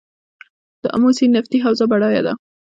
د امو سیند نفتي حوزه بډایه ده؟